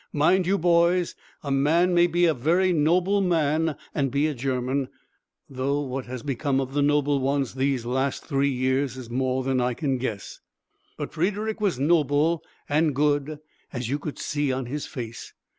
Mind you, boys, a man may be a very noble man and be a German though what has become of the noble ones these last three years is more than I can guess. But Frederick was noble and good, as you could see on his face.